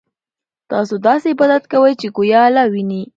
تاسو داسې عبادت کوئ چې ګویا الله وینئ.